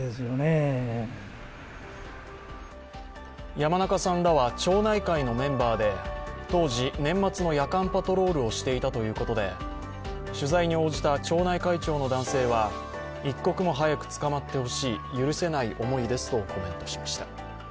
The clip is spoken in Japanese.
山中さんらは町内会のメンバーで当時、年末の夜間パトロールをしていたということで取材に応じた町内会長の男性は一刻も早く捕まってほしい許せない思いですとコメントしました。